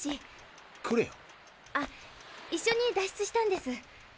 あっ一緒に脱出したんです。